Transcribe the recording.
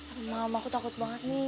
aduh mama aku takut banget nih